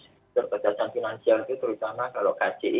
keterbatasan finansial itu terutama kalau kci kemarin kan karena dampak pandemi